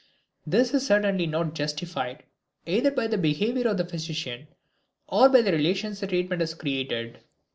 This is certainly not justified either by the behavior of the physician or by the relations the treatment has created.